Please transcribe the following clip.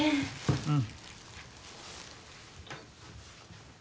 うん。